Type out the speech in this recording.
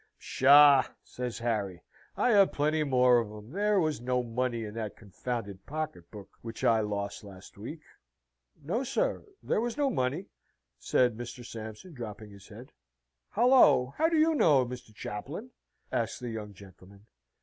"Psha!" says Harry. "I have plenty more of 'em. There was no money in that confounded pocket book which I lost last week." "No, sir. There was no money!" says Mr. Sampson, dropping his head. "Hallo! How do you know, Mr. Chaplain?" asks the young gentleman.